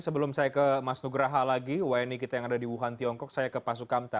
sebelum saya ke mas nugraha lagi wni kita yang ada di wuhan tiongkok saya ke pak sukamta